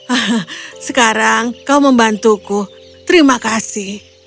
ah sekarang kau membantuku terima kasih